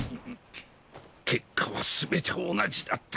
結果はすべて同じだった。